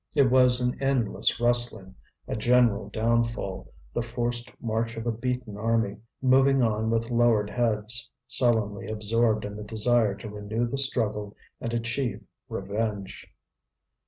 It was an endless rustling, a general downfall, the forced march of a beaten army, moving on with lowered heads, sullenly absorbed in the desire to renew the struggle and achieve revenge.